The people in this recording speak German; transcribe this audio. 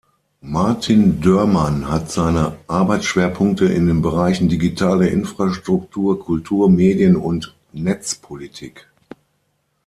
Martin Dörmann hat seine Arbeitsschwerpunkte in den Bereichen Digitale Infrastruktur, Kultur-, Medien- und Netzpolitik.